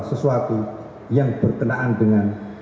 sesuatu yang berkenaan dengan